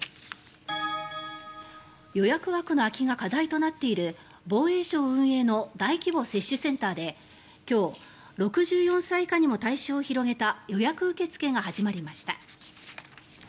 予約枠の空きが課題となっている防衛省運営の大規模接種センターで今日、６４歳以下にも対象を広げた予約受け付けが始まりました。